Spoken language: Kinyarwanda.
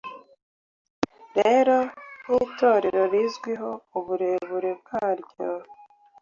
Rero, nkitorero rizwiho uburebure bwaryo,